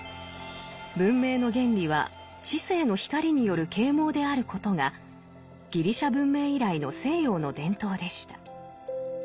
文明の原理は知性の光による啓蒙であることがギリシャ文明以来の西洋の伝統でした。